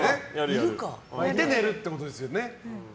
巻いて寝るってことですよね。